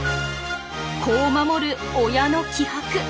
子を守る親の気迫。